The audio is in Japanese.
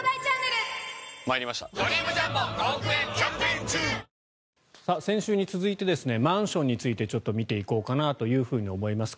この上位１０位は先週に続いてマンションについてちょっと見ていこうかなと思います。